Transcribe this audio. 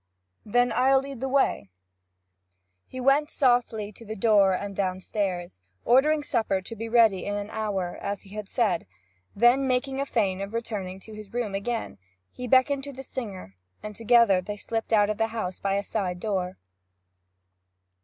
'Then I'll lead the way.' He went softly to the door and downstairs, ordering supper to be ready in an hour, as he had said; then making a feint of returning to the room again, he beckoned to the singer, and together they slipped out of the house by a side door.